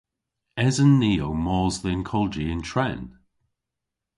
Esen ni ow mos dhe'n kolji yn tren?